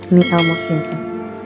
ini kamu simpen